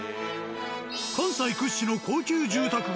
関西屈指の高級住宅街